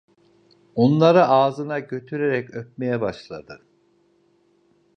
Onları ağzına götürerek öpmeye başladı.